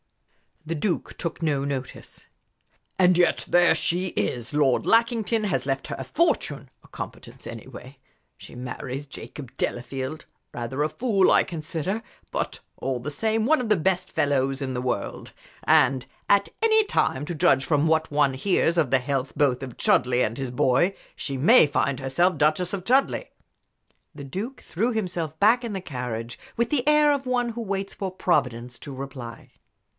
The Duke took no notice. "And yet there she is! Lord Lackington has left her a fortune a competence, anyway. She marries Jacob Delafield rather a fool, I consider, but all the same one of the best fellows in the world. And at any time, to judge from what one hears of the health both of Chudleigh and his boy, she may find herself Duchess of Chudleigh." The Duke threw himself back in the carriage with the air of one who waits for Providence to reply.